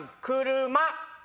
車。